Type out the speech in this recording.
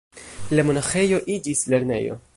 La monaĥejo iĝis lernejo.